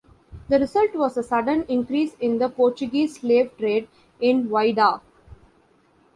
The result was a sudden increase in the Portuguese slave trade in Whydah.